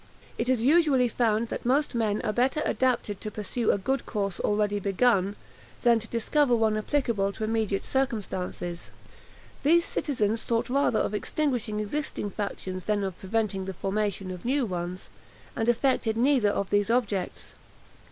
It is usually found that most men are better adapted to pursue a good course already begun, than to discover one applicable to immediate circumstances. These citizens thought rather of extinguishing existing factions than of preventing the formation of new ones, and effected neither of these objects.